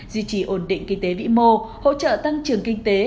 duy trì ổn định kinh tế vĩ mô hỗ trợ tăng trưởng kinh tế